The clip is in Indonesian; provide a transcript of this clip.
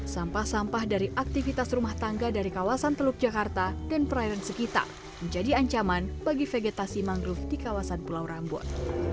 sampah sampah dari aktivitas rumah tangga dari kawasan teluk jakarta dan perairan sekitar menjadi ancaman bagi vegetasi mangrove di kawasan pulau rambut